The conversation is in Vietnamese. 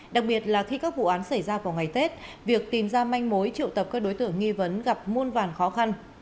đặc biệt là khi các vụ án xảy ra vào ngày tết việc tìm ra manh mối triệu tập các đối tượng nghi vấn gặp muôn vàn khó khăn